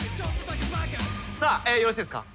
さあよろしいですか？